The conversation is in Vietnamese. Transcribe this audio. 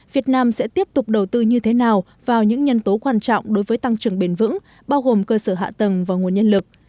việt nam sẽ tiếp tục đầu tư như thế nào vào những nhân tố quan trọng đối với tăng trưởng bền vững bao gồm cơ sở hạ tầng và nguồn nhân lực